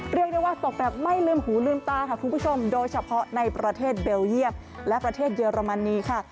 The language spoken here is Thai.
เรียกได้ว่าตกแบบไม่ลืมหูลืมตาค่ะคุณผู้ชมโดยเฉพาะในประเทศเบลเยี่ยมและประเทศเยอรมนีค่ะ